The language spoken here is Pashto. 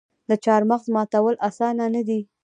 د چهارمغز ماتول اسانه نه دي.